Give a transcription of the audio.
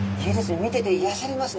見てて癒やされますね。